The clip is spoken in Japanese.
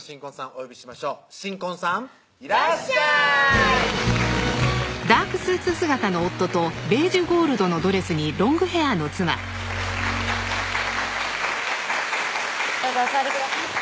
お呼びしましょう新婚さんいらっしゃいどうぞお座りください